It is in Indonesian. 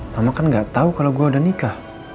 mama kan gak tau kalau gue udah nikah